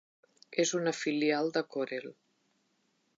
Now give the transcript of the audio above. És una filial de Corel.